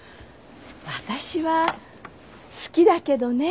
私は好きだけどね